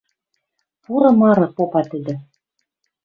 «Пуры Мары! — попа тӹдӹ